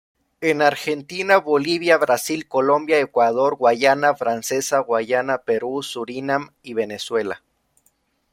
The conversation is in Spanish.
En Argentina, Bolivia, Brasil, Colombia, Ecuador, Guayana Francesa, Guayana, Perú, Surinam y Venezuela.